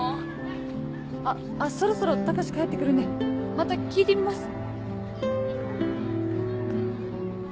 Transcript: あっそろそろ高志帰って来るんでまた聞いてみます。